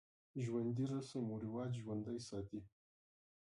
ژوندي رسم و رواج ژوندی ساتي